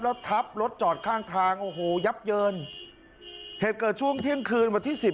แล้วทับรถจอดข้างทางโอ้โหยับเยินเหตุเกิดช่วงเที่ยงคืนวันที่สิบ